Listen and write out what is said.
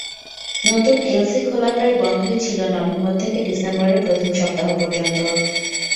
নতুন এলসি খোলা প্রায় বন্ধই ছিল নভেম্বর থেকে ডিসেম্বরের প্রথম সপ্তাহ পর্যন্ত।